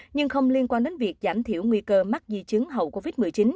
nhưng không liên quan đến việc giảm thiểu nguy cơ mắc di chứng hậu covid một mươi chín